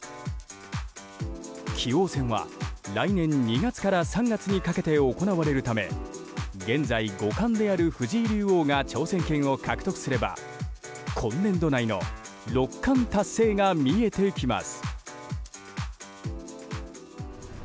棋王戦は、来年２月から３月にかけて行われるため現在、五冠である藤井竜王が挑戦権を獲得すれば今年度内の六冠達成が見えてきます。